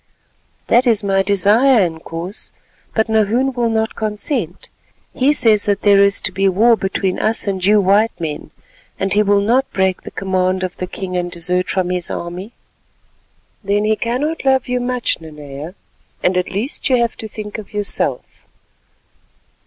"That is my desire, Inkoos, but Nahoon will not consent. He says that there is to be war between us and you white men, and he will not break the command of the king and desert from his army." "Then he cannot love you much, Nanea, and at least you have to think of yourself.